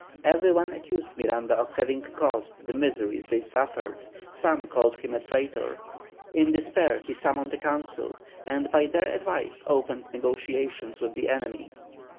Every one accused Miranda of having caused the miseries they suffered: some called him a traitor. In despair he summoned a council, and by their advice opened negotiations with the enemy.